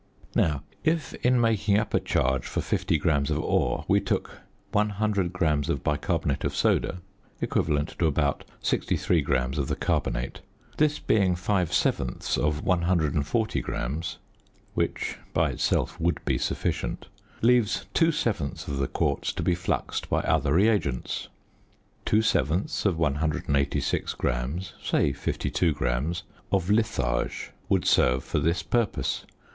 Now, if in making up a charge for 50 grams of ore, we took 100 grams of bicarbonate of soda (equivalent to about 63 grams of the carbonate), this being five sevenths of 140 grams (which by itself would be sufficient), leaves two sevenths of the quartz to be fluxed by other reagents: two sevenths of 186 grams (say 52 grams) of litharge would serve for this purpose.